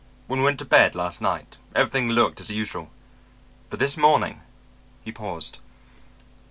"When we went to bed last night, everything looked as usual; but this morning...." He paused.